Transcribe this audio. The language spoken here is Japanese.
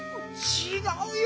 ちがうよ。